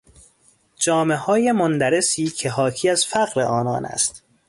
جامههای مندرسی که حاکی از فقر آنان است